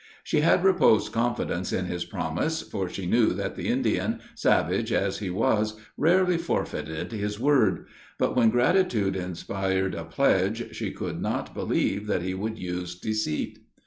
She had reposed confidence in his promise, for she knew that the Indian, savage as he was, rarely forfeited his word; but when gratitude inspired a pledge, she could not believe that he would use deceit.